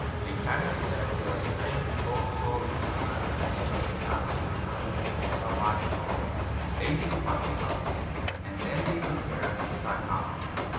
They carry with them their strange Old World instruments, and '30on establish themselves in a corner of cither court yard. They, too, partake of tea, and then they prepare to strike up.